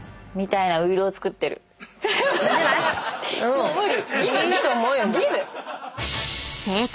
もう無理！